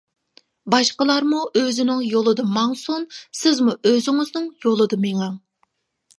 باشقىلارمۇ ئۆزىنىڭ يولىدا ماڭسۇن، سىزمۇ ئۆزىڭىزنىڭ يولىدا مېڭىڭ!